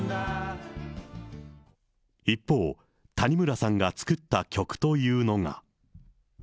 一方、谷村さんが作った曲というのが。